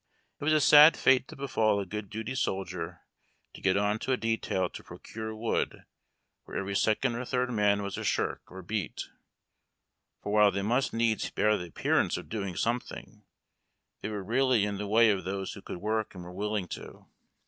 It was a sad fate to befall WATKK FOR THE f UOlv HOUSE. a good duty soldier to get on to a detail to procure wood where every second or third man was a shirk or beat ; for while they must needs bear the appearance of doing some thing, they were really in the way of those who could work and were willing to.